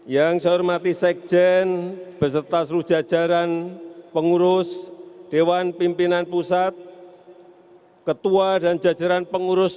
yang saya hormati sekjen beserta seluruh jajaran pengurus dewan pimpinan pusat ketua dan jajaran pengurus